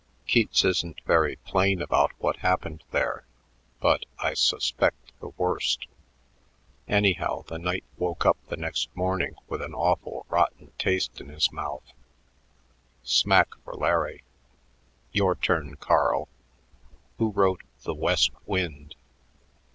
Keats isn't very plain about what happened there, but I suspect the worst. Anyhow, the knight woke up the next morning with an awful rotten taste in his mouth." "Smack for Larry. Your turn, Carl. Who wrote 'The West Wind'?"